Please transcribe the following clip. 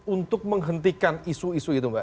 untuk menghentikan isu isu itu mbak